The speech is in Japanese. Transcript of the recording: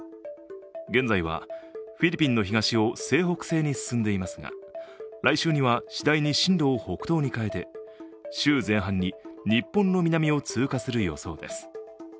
現在はフィリピンの東を西北西に進んでいますが来週には次第に進路を北東に変えて週前半に、日本の南を通過する予想です。